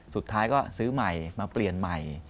สุดท้ายก็ซื้อใหม่มาเปลี่ยนใหม่